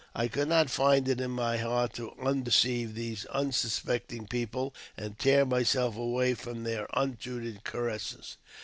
I could not find it in my heart to undeceive these unsuspecting people and tear myself away from their untutored caresses.